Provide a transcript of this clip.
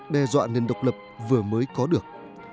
đe dọa nền độc lập vừa mới có được